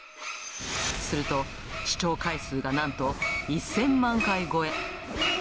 すると、視聴回数がなんと１０００万回超え。